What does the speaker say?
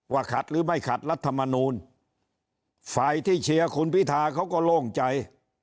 ขัดหรือไม่ขัดรัฐมนูลฝ่ายที่เชียร์คุณพิธาเขาก็โล่งใจ